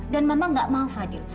dan mama gak mau fadil